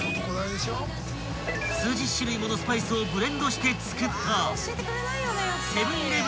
［数十種類ものスパイスをブレンドして作った］